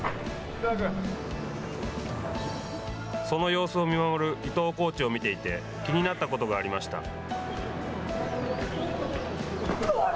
その様子を見守る伊藤コーチを見ていて気になったことがありました。